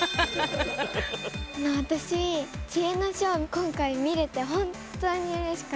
私知恵の書を今回見れて本当にうれしかったです。